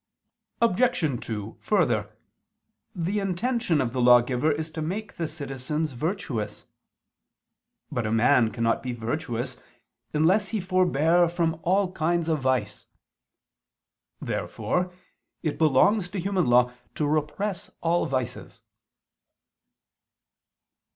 Obj. 2: Further, the intention of the lawgiver is to make the citizens virtuous. But a man cannot be virtuous unless he forbear from all kinds of vice. Therefore it belongs to human law to repress all vices.